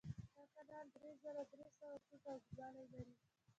دغه کانال درې زره درې سوه فوټه اوږدوالی لري.